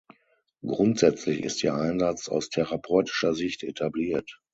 Grundsätzlich ist ihr Einsatz aus therapeutischer Sicht etabliert.